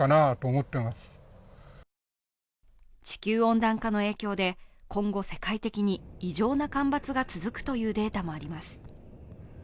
地球温暖化の影響で今後世界的に、異常な干ばつが続くというデータもあります。